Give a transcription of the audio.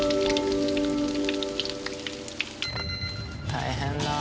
大変だ。